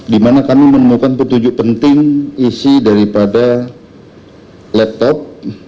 di mana kami menemukan petunjuk penting isi daripada laptop